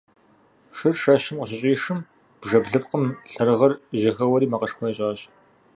Шыр шэщым къыщыщӀишым бжэ блыпкъым лъэрыгъыр жьэхэуэри макъышхуэ ищӀащ.